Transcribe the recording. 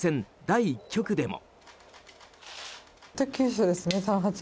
第１局でも。